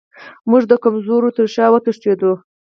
موږ د کمزورو تر شا وتښتو.